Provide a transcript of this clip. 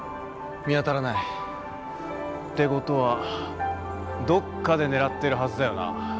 見当たらない。ってことはどっかで狙ってるはずだよな。